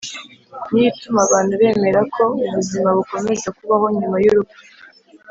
ni yo ituma abantu bemera ko ‘ubuzima bukomeza kubaho nyuma y’urupfu